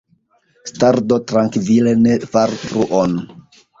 Staru do trankvile, ne faru bruon!